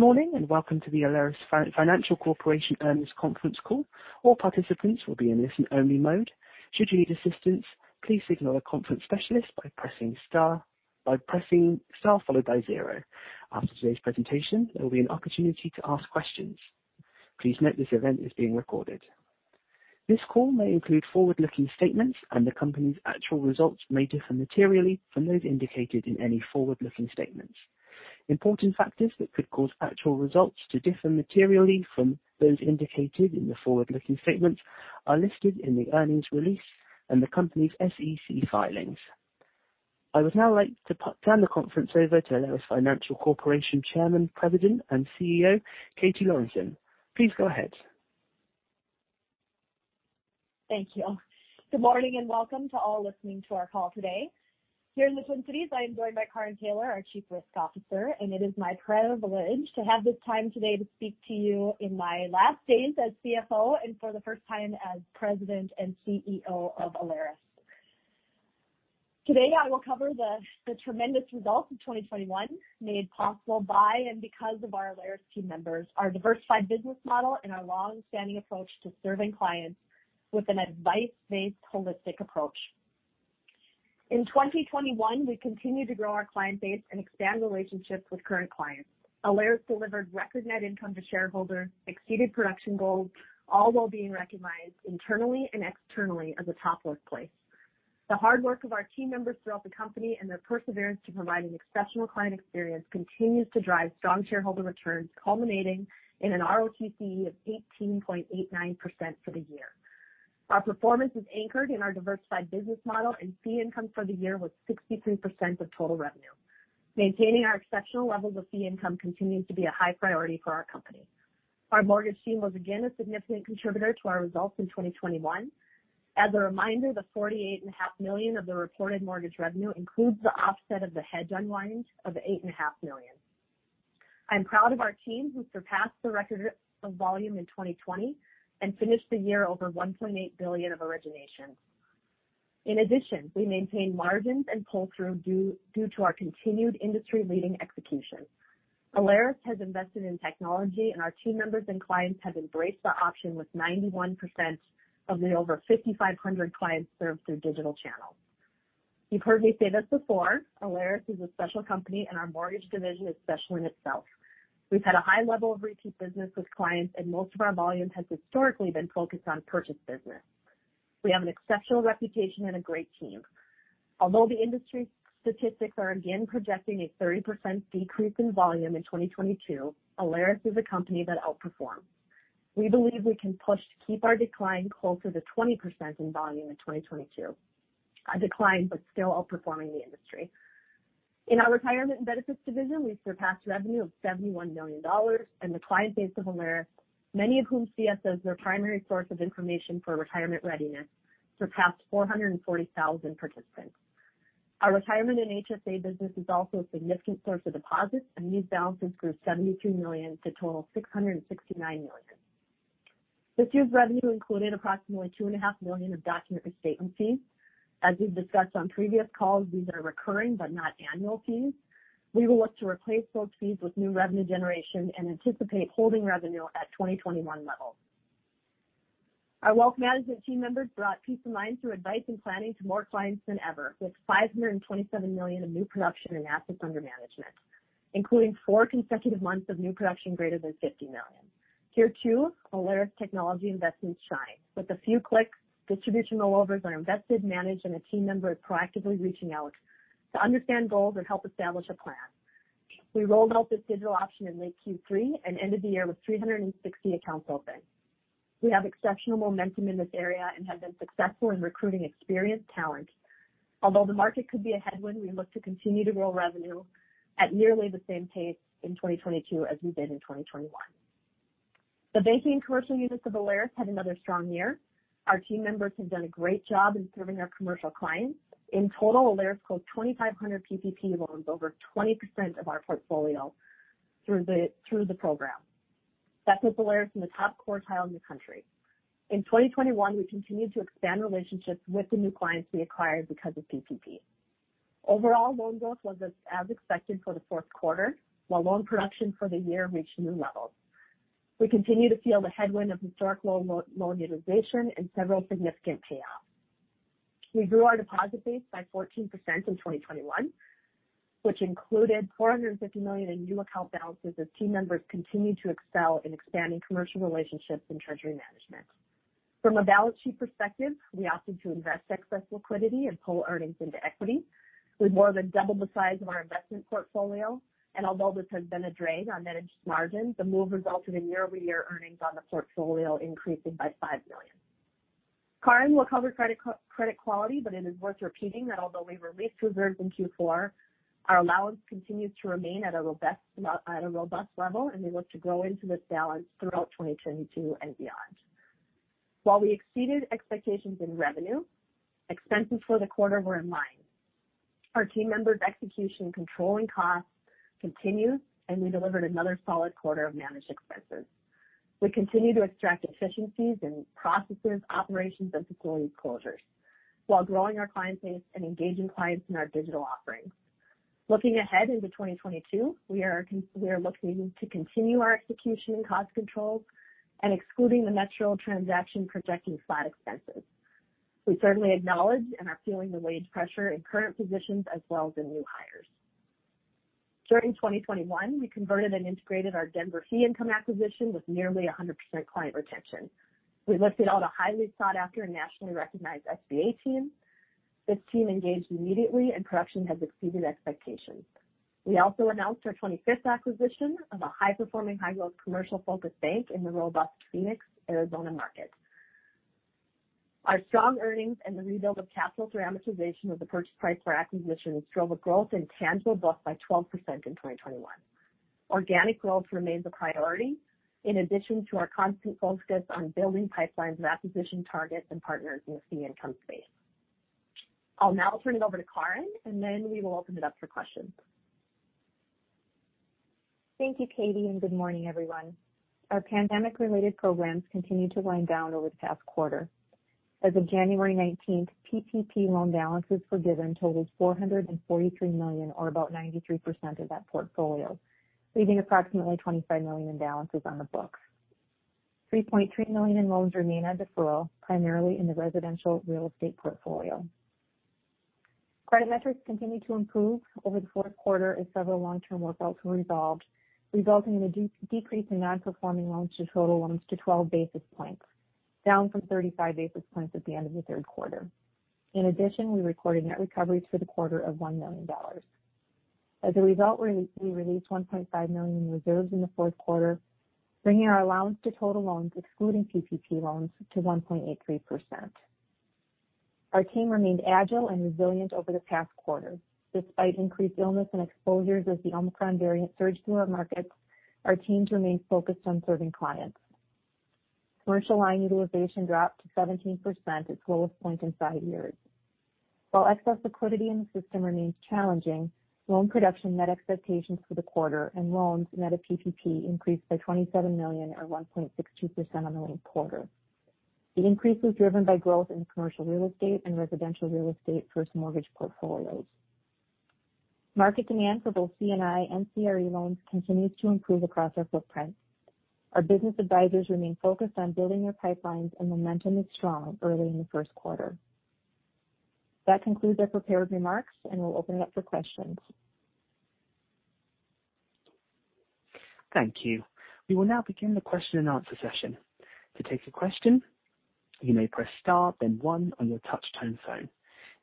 Good morning, and welcome to the Alerus Financial Corporation Earnings Conference Call. All participants will be in listen-only mode. Should you need assistance, please signal a conference specialist by pressing star followed by zero. After today's presentation, there will be an opportunity to ask questions. Please note this event is being recorded. This call may include forward-looking statements, and the company's actual results may differ materially from those indicated in any forward-looking statements. Important factors that could cause actual results to differ materially from those indicated in the forward-looking statements are listed in the earnings release and the company's SEC filings. I would now like to turn the conference over to Alerus Financial Corporation Chairman, President, and CEO, Katie Lorenson. Please go ahead. Thank you. Good morning, and welcome to all listening to our call today. Here in the Twin Cities, I am joined by Karin Taylor, our Chief Risk Officer, and it is my privilege to have this time today to speak to you in my last days as CFO and for the first time as President and CEO of Alerus. Today, I will cover the tremendous results of 2021 made possible by and because of our Alerus team members, our diversified business model, and our longstanding approach to serving clients with an advice-based holistic approach. In 2021, we continued to grow our client base and expand relationships with current clients. Alerus delivered record net income to shareholders, exceeded production goals, all while being recognized internally and externally as a top workplace. The hard work of our team members throughout the company and their perseverance to provide an exceptional client experience continues to drive strong shareholder returns, culminating in an ROTCE of 18.89% for the year. Our performance is anchored in our diversified business model, and fee income for the year was 63% of total revenue. Maintaining our exceptional levels of fee income continues to be a high priority for our company. Our mortgage team was again a significant contributor to our results in 2021. As a reminder, the $48 and a half million of the reported mortgage revenue includes the offset of the hedge unwind of $8 and a half million. I'm proud of our team who surpassed the record of volume in 2020 and finished the year over $1.8 billion of origination. In addition, we maintain margins and pull-through due to our continued industry-leading execution. Alerus has invested in technology, and our team members and clients have embraced the option with 91% of the over 5,500 clients served through digital channels. You've heard me say this before, Alerus is a special company, and our mortgage division is special in itself. We've had a high level of repeat business with clients, and most of our volume has historically been focused on purchase business. We have an exceptional reputation and a great team. Although the industry statistics are again projecting a 30% decrease in volume in 2022, Alerus is a company that outperforms. We believe we can push to keep our decline closer to 20% in volume in 2022. A decline but still outperforming the industry. In our retirement and benefits division, we've surpassed revenue of $71 million, and the client base of Alerus, many of whom see us as their primary source of information for retirement readiness, surpassed 440,000 participants. Our retirement and HSA business is also a significant source of deposits, and these balances grew $72 million to total $669 million. This year's revenue included approximately $2.5 million of document restatement fees. As we've discussed on previous calls, these are recurring but not annual fees. We will look to replace those fees with new revenue generation and anticipate holding revenue at 2021 levels. Our wealth management team members brought peace of mind through advice and planning to more clients than ever, with $527 million in new production and assets under management, including four consecutive months of new production greater than $50 million. Here, too, Alerus technology investments shine. With a few clicks, distribution rollovers are invested, managed, and a team member is proactively reaching out to understand goals and help establish a plan. We rolled out this digital option in late Q3 and ended the year with 360 accounts open. We have exceptional momentum in this area and have been successful in recruiting experienced talent. Although the market could be a headwind, we look to continue to grow revenue at nearly the same pace in 2022 as we did in 2021. The banking commercial units of Alerus had another strong year. Our team members have done a great job in serving our commercial clients. In total, Alerus closed 2,500 PPP loans, over 20% of our portfolio through the program. That puts Alerus in the top quartile in the country. In 2021, we continued to expand relationships with the new clients we acquired because of PPP. Overall, loan growth was as expected for the fourth quarter, while loan production for the year reached new levels. We continue to feel the headwind of historic low loan utilization and several significant payoffs. We grew our deposit base by 14% in 2021, which included $450 million in new account balances as team members continued to excel in expanding commercial relationships and treasury management. From a balance sheet perspective, we opted to invest excess liquidity and pull earnings into equity. We more than doubled the size of our investment portfolio. Although this has been a drain on managed margin, the move resulted in year-over-year earnings on the portfolio increasing by $5 million. Karin will cover credit quality, but it is worth repeating that although we've released reserves in Q4, our allowance continues to remain at a robust level, and we look to grow into this balance throughout 2022 and beyond. While we exceeded expectations in revenue, expenses for the quarter were in line. Our team members' execution in controlling costs continues, and we delivered another solid quarter of managed expenses. We continue to extract efficiencies in processes, operations, and facility closures while growing our client base and engaging clients in our digital offerings. Looking ahead into 2022, we are looking to continue our execution in cost controls and excluding the Metro transaction projecting flat expenses. We certainly acknowledge and are feeling the wage pressure in current positions as well as in new hires. During 2021, we converted and integrated our Denver fee income acquisition with nearly 100% client retention. We listed out a highly sought after and nationally recognized SBA team. This team engaged immediately and production has exceeded expectations. We also announced our 25th acquisition of a high-performing high growth commercial focused bank in the robust Phoenix, Arizona market. Our strong earnings and the rebuild of capital through amortization of the purchase price for acquisitions drove a growth in tangible books by 12% in 2021. Organic growth remains a priority in addition to our constant focus on building pipelines of acquisition targets and partners in the fee income space. I'll now turn it over to Karin, and then we will open it up for questions. Thank you, Katie, and good morning, everyone. Our pandemic related programs continued to wind down over the past quarter. As of 19thJanuary, PPP loan balances forgiven totals $443 million, or about 93% of that portfolio, leaving approximately $25 million in balances on the books. $3.3 million in loans remain on deferral, primarily in the residential real estate portfolio. Credit metrics continued to improve over the fourth quarter as several long-term workouts were resolved, resulting in a decrease in non-performing loans to total loans to 12 basis points, down from 35 basis points at the end of the third quarter. In addition, we recorded net recoveries for the quarter of $1 million. As a result, we released $1.5 million in reserves in the fourth quarter, bringing our allowance to total loans, excluding PPP loans, to 1.83%. Our team remained agile and resilient over the past quarter. Despite increased illness and exposures as the Omicron variant surged through our markets, our teams remained focused on serving clients. Commercial line utilization dropped to 17%, its lowest point in 5 years. While excess liquidity in the system remains challenging, loan production met expectations for the quarter and loans net of PPP increased by $27 million or 1.62% on the linked quarter. The increase was driven by growth in commercial real estate and residential real estate first mortgage portfolios. Market demand for both C&I and CRE loans continues to improve across our footprint. Our business advisors remain focused on building their pipelines, and momentum is strong early in the first quarter. That concludes our prepared remarks, and we'll open it up for questions. Thank you. We will now begin the question and answer session. To take a question, you may press star then one on your touch tone phone.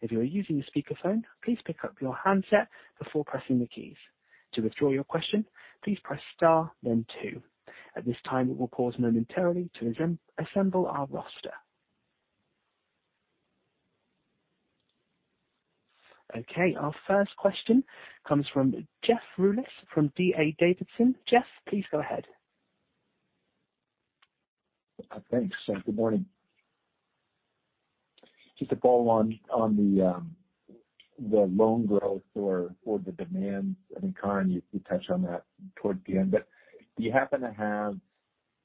If you are using a speakerphone, please pick up your handset before pressing the keys. To withdraw your question, please press star then two. At this time, we will pause momentarily to reassemble our roster. Okay, our first question comes from Jeff Rulis from D.A. Davidson. Jeff, please go ahead. Thanks. Good morning. Just to follow on the loan growth or the demand. I think Karin you touched on that toward the end. Do you happen to have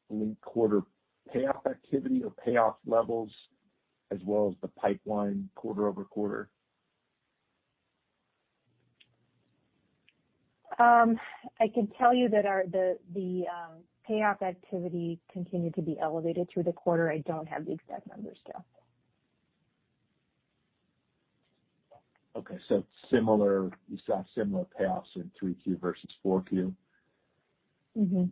linked quarter payoff activity or payoff levels as well as the pipeline quarter over quarter? I can tell you that our payoff activity continued to be elevated through the quarter. I don't have the exact numbers, Jeff. Okay. Similar, you saw similar payoffs in 3Q versus 4Q? Mm-hmm.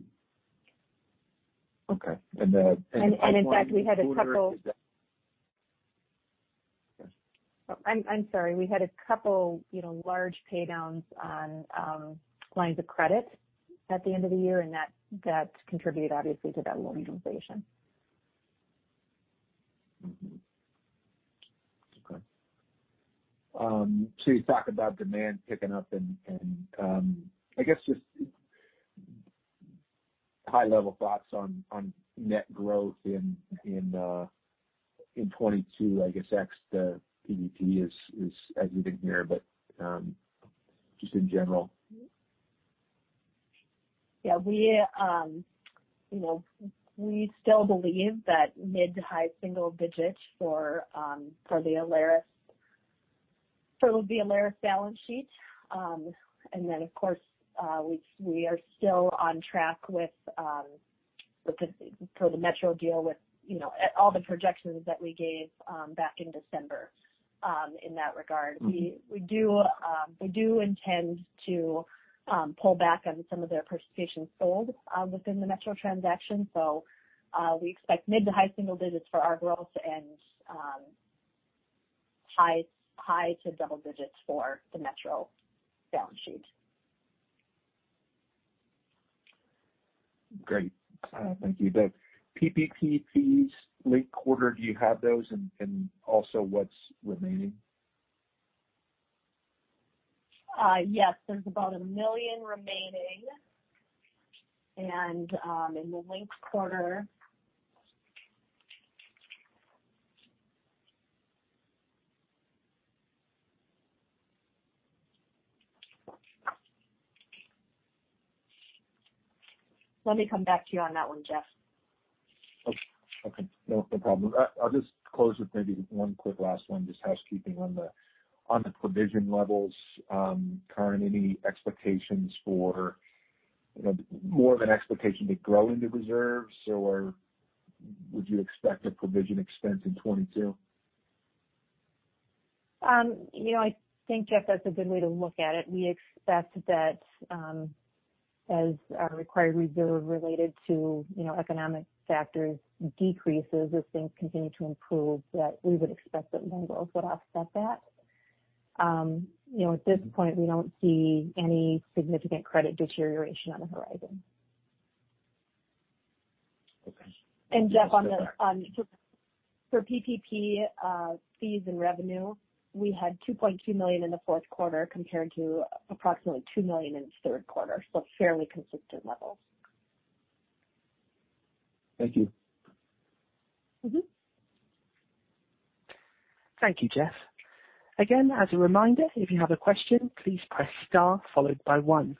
Okay. The pipeline quarter- In fact, we had a couple Yes. Oh, I'm sorry. We had a couple, you know, large paydowns on lines of credit at the end of the year, and that contributed obviously to that loan utilization. Mm-hmm. Okay. You talked about demand picking up and I guess just high level thoughts on net growth in 2022, I guess ex the PPP is as you did here, but just in general. Yeah, we, you know, we still believe that mid- to high-single digits for the Alerus balance sheet. Of course, we are still on track for the Metro deal with all the projections that we gave back in December in that regard. We do intend to pull back on some of the participation sold within the Metro transaction. We expect mid- to high-single digits for our growth and high- to double digits for the Metro balance sheet. Great. Thank you. The PPP fees linked quarter, do you have those and also what's remaining? Yes. There's about $1 million remaining. Let me come back to you on that one, Jeff. Okay. No problem. I'll just close with maybe one quick last one, just housekeeping on the provision levels. Currently, any expectations for, you know, more of an expectation to grow into reserves or would you expect a provision expense in 2022? You know, I think, Jeff, that's a good way to look at it. We expect that, as our required reserve related to, you know, economic factors decreases as things continue to improve, that we would expect that loan growth would offset that. You know, at this point, we don't see any significant credit deterioration on the horizon. Okay. Jeff, for PPP fees and revenue, we had $2.2 million in the fourth quarter compared to approximately $2 million in the third quarter. Fairly consistent levels. Thank you. Mm-hmm. Thank you, Jeff. Again, as a reminder, if you have a question, please press star followed by one.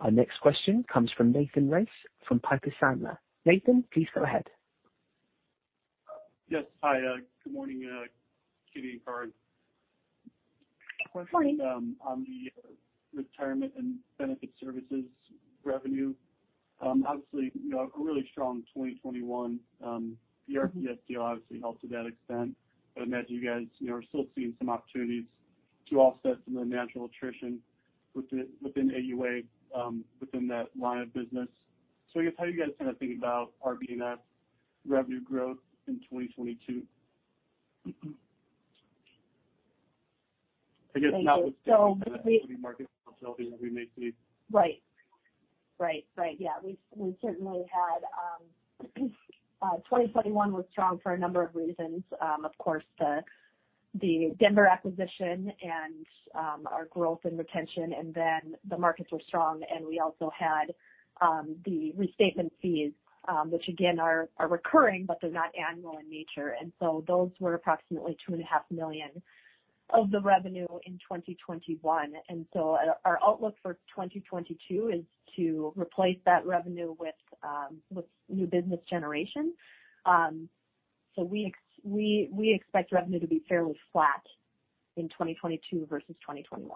Our next question comes from Nathan Race from Piper Sandler. Nathan, please go ahead. Yes. Hi, good morning, Katie and Karin. Good morning. Question on the retirement and benefit services revenue. Obviously, you know, a really strong 2021. The RPS deal obviously helped to that extent, but I imagine you guys, you know, are still seeing some opportunities to offset some of the natural attrition within AUA within that line of business. I guess how are you guys kinda thinking about R&B revenue growth in 2022? I guess that was- So we- The equity market volatility that we may see. Right. Yeah. We certainly had 2021 was strong for a number of reasons. Of course, the Denver acquisition and our growth and retention, and then the markets were strong and we also had the retainer fees, which again are recurring, but they're not annual in nature. Those were approximately $2.5 million of the revenue in 2021. Our outlook for 2022 is to replace that revenue with new business generation. We expect revenue to be fairly flat in 2022 versus 2021.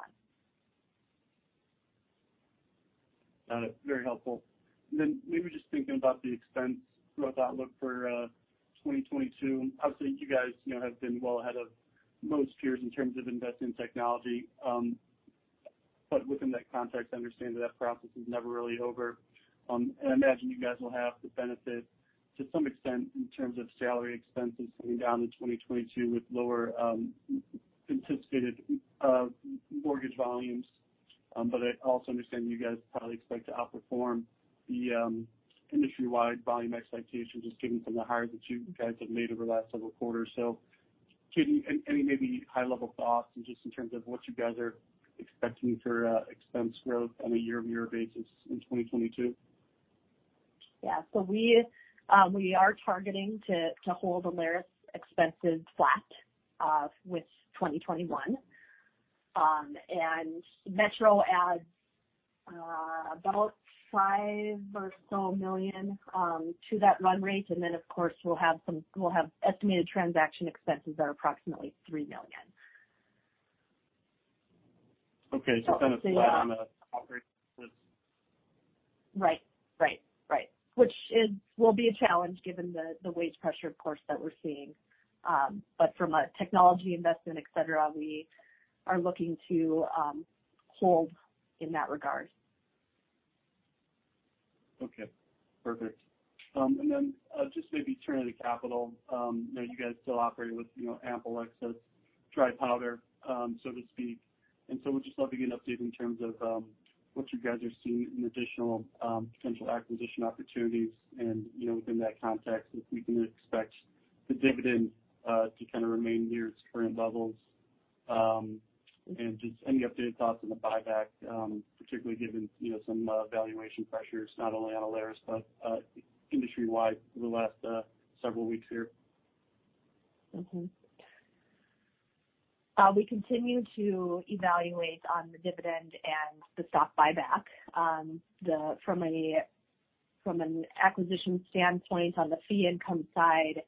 Got it. Very helpful. Maybe just thinking about the expense growth outlook for 2022. Obviously you guys, you know, have been well ahead of most peers in terms of investing in technology. But within that context, I understand that that process is never really over. I imagine you guys will have the benefit to some extent in terms of salary expenses coming down to 2022 with lower anticipated mortgage volumes. I also understand you guys probably expect to outperform the industry-wide volume expectations just given from the hires that you guys have made over the last several quarters. Katie, any maybe high-level thoughts just in terms of what you guys are expecting for expense growth on a year-over-year basis in 2022? Yeah. We are targeting to hold Alerus expenses flat with 2021. Metro adds about $5 million or so to that run rate. We'll have estimated transaction expenses that are approximately $3 million. Okay. Kind of flat on the operating expense. Right. Which will be a challenge given the wage pressure, of course, that we're seeing. From a technology investment, et cetera, we are looking to hold in that regard. Okay. Perfect. Just maybe turning to capital. I know you guys still operate with, you know, ample excess dry powder, so to speak. We'd just love to get an update in terms of what you guys are seeing in additional potential acquisition opportunities and, you know, within that context, if we can expect the dividend to kind of remain near its current levels. Just any updated thoughts on the buyback, particularly given, you know, some valuation pressures not only on Alerus but industry-wide over the last several weeks here. We continue to evaluate on the dividend and the stock buyback. From an acquisition standpoint on the fee income side,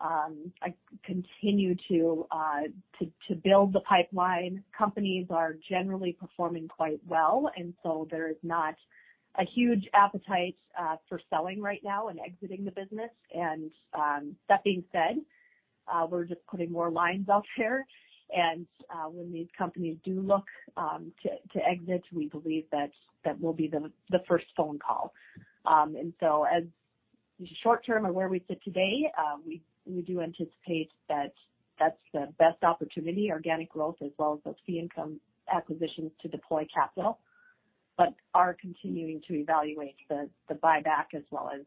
I continue to build the pipeline. Companies are generally performing quite well, and so there is not a huge appetite for selling right now and exiting the business. That being said, we're just putting more lines out there. When these companies do look to exit, we believe that we'll be the first phone call. As short term and where we sit today, we do anticipate that that's the best opportunity, organic growth as well as those fee income acquisitions to deploy capital, but are continuing to evaluate the buyback as well as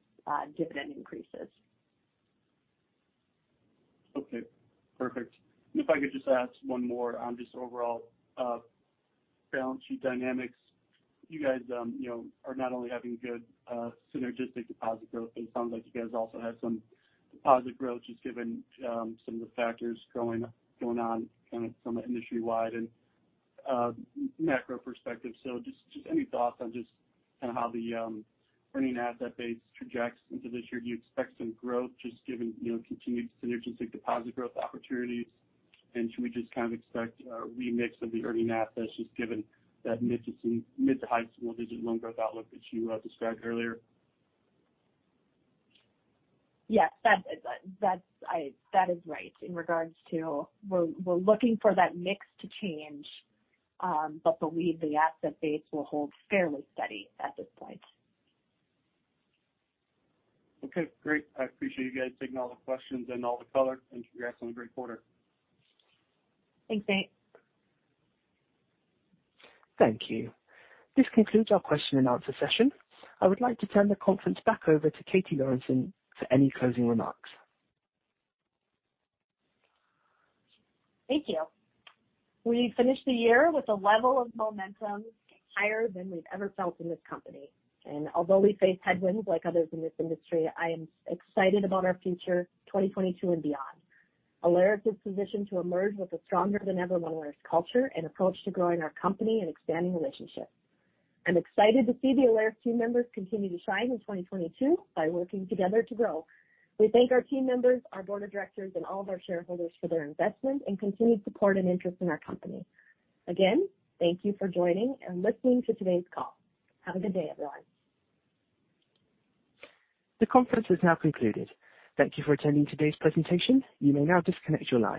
dividend increases. Okay. Perfect. If I could just ask one more on just overall balance sheet dynamics. You guys, you know, are not only having good synergistic deposit growth, but it sounds like you guys also have some deposit growth just given some of the factors going on kind of from an industry-wide and macro perspective. Just any thoughts on just kinda how the earning asset base projects into this year? Do you expect some growth just given, you know, continued synergistic deposit growth opportunities? Should we just kind of expect a remix of the earning assets just given that mid to high single digit loan growth outlook that you described earlier? Yes, that's right in regards to, we're looking for that mix to change, but we believe the asset base will hold fairly steady at this point. Okay, great. I appreciate you guys taking all the questions and all the color. Congratulations on a great quarter. Thanks, Nate. Thank you. This concludes our question and answer session. I would like to turn the conference back over to Katie Lorenson for any closing remarks. Thank you. We finished the year with a level of momentum higher than we've ever felt in this company. Although we face headwinds like others in this industry, I am excited about our future, 2022 and beyond. Alerus is positioned to emerge with a stronger than ever Alerus culture and approach to growing our company and expanding relationships. I'm excited to see the Alerus team members continue to shine in 2022 by working together to grow. We thank our team members, our board of directors, and all of our shareholders for their investment and continued support and interest in our company. Again, thank you for joining and listening to today's call. Have a good day, everyone. The conference is now concluded. Thank you for attending today's presentation. You may now disconnect your line.